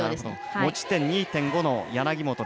持ち点２．５の柳本。